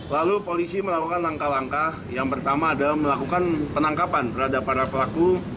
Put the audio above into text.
lalu polisi melakukan langkah langkah yang pertama adalah melakukan penangkapan terhadap para pelaku